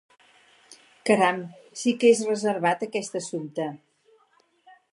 Caram, sí que és reservat, aquest assumpte!